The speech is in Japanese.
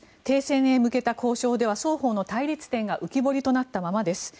停戦に向けた交渉では双方の対立点が浮き彫りとなったままです。